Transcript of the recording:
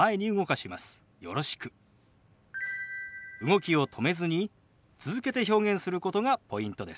動きを止めずに続けて表現することがポイントです。